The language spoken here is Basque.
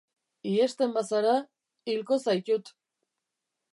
Ihesten bazara, hilko zaitut.